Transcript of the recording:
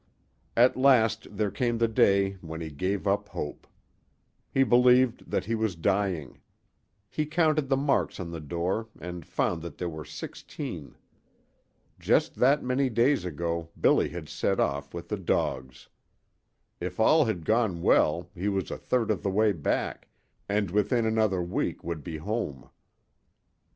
At last there came the day when he gave up hope. He believed that he was dying. He counted the marks on the door and found that there were sixteen. Just that many days ago Billy had set off with the dogs. If all had gone well he was a third of the way back, and within another week would be "home."